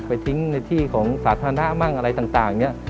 ไปทิ้งในที่ของศาสนธนาบ้างอะไรต่างต่างอย่างเงี้ย